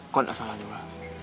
kau enggak salah juga